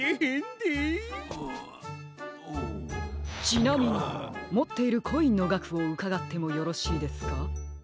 ちなみにもっているコインのがくをうかがってもよろしいですか？